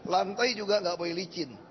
lantai juga nggak boleh licin